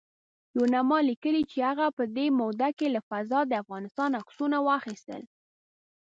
یوناما لیکلي چې هغه په دې موده کې له فضا د افغانستان عکسونه واخیستل